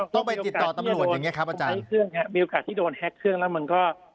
ต้องไปติดต่อตำรวจอย่างเงี้ครับอาจารย์มีโอกาสที่โดนแฮ็กเครื่องแล้วมันก็